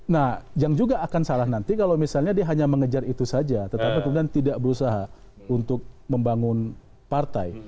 nah yang juga akan salah nanti kalau misalnya dia hanya mengejar itu saja tetapi kemudian tidak berusaha untuk membangun partai